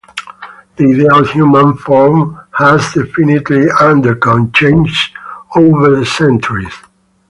The ideal human form has definitely undergone changes over the centuries.